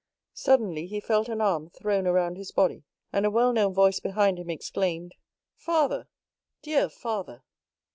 Suddenly, he felt an arm thrown around his body, and a well known voice behind him exclaimed, "Father—dear father!"